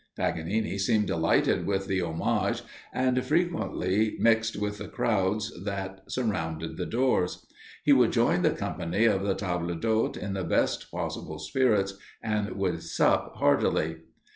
Paganini seemed delighted with the homage, and frequently mixed with the crowds that surrounded the doors. He would join the company at the table d'hôte in the best possible spirits, and would sup heartily.